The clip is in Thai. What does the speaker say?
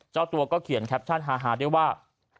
เจ้าตัวก็เขียนแคปชั่นฮาด้วยว่า